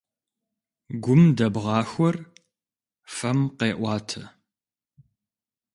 Гум дэбгъахуэр фэм къеӀуатэ.